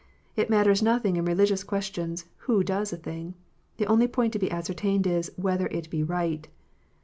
It matters nothing in religious questions, " who does a thing :" the only point to be ascertained is, " whether it be right."